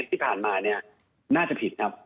ที่ผ่านมาเนี่ยน่าจะผิดครับ